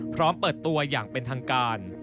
พร้อมเปิดตัวอย่างเป็นทางการ